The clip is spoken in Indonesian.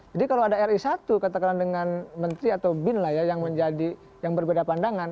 jadi kalau ada ri satu dengan menteri atau bin lah ya yang menjadi yang berbeda pandangan